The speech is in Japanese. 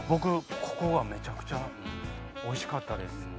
ここめちゃくちゃおいしかった。